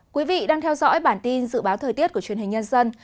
quý vị đang theo dõi bản tin dự báo thời tiết của truyền hình nhân dân